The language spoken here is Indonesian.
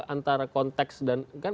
antara konteks dan